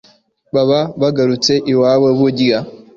baba bagarutse iwabo burya